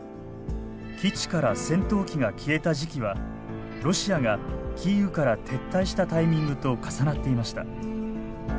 基地から戦闘機が消えた時期はロシアがキーウから撤退したタイミングと重なっていました。